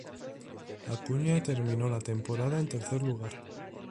Acuña terminó la temporada en tercer lugar.